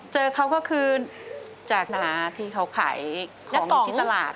เจอเขาก็คือจากน้าที่เขาขายที่ตลาด